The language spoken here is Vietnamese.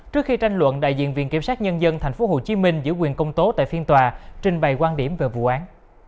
trước khi tranh luận đại diện viện kiểm sát nhân dân tp hcm giữ quyền công tố tại phiên tòa trình bày quan điểm về vụ án